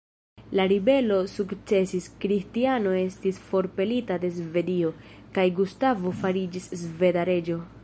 La ribelo sukcesis, Kristiano estis forpelita de Svedio, kaj Gustavo fariĝis sveda reĝo.